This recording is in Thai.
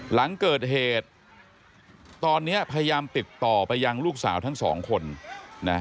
หลังเกิดเหตุตอนนี้พยายามติดต่อไปยังลูกสาวทั้งสองคนนะ